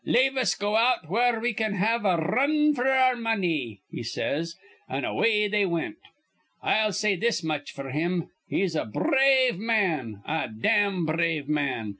'Lave us go out where we can have a r run f'r our money,' he says. An' away they wint. I'll say this much f'r him, he's a brave man, a dam brave man.